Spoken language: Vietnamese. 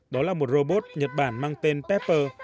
đó là một robot nhật bản mang tên pepper